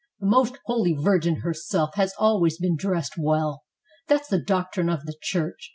the most holy Virgin herself has always been dressed well; that's the doctrine of the Church